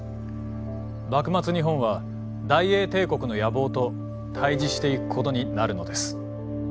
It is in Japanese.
幕末日本は大英帝国の野望と対峙していくことになるのです。